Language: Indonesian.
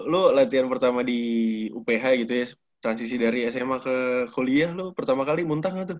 lu latihan pertama di uph gitu ya transisi dari sma ke kuliah lo pertama kali muntah tuh